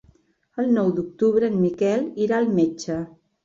El nou d'octubre en Miquel irà al metge.